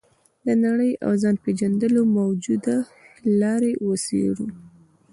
د نړۍ او ځان پېژندلو موجودې لارې وڅېړو.